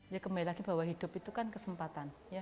ya kembali lagi bahwa hidup itu kan kesempatan